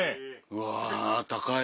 うわ高い。